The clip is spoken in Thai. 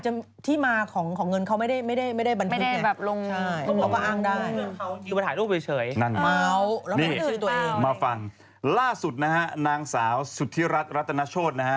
เหมือนกับไปแจ้งว่าตัวเองมีอะไรได้น้อย